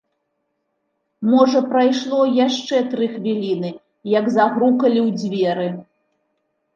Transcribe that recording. Можа прайшло яшчэ тры хвіліны, як загрукалі ў дзверы.